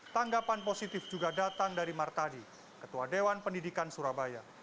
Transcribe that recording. tanggapan positif juga datang dari martadi ketua dewan pendidikan surabaya